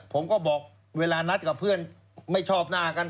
ผมก็บอกเวลานัดกับเพื่อนไม่ชอบหน้ากัน